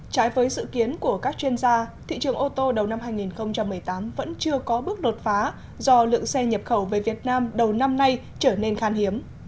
trái với dự kiến của các chuyên gia thị trường ô tô đầu năm hai nghìn một mươi tám vẫn chưa có bước đột phá do lượng xe nhập khẩu về việt nam đầu năm nay trở nên khan hiếm